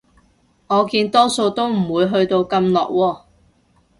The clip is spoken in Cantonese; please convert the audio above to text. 我見多數都唔會去到咁落喎